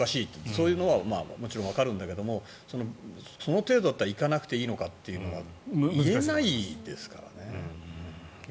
それはもちろんわかるけどその程度だったら行かなくていいのかというのは言えないですからね。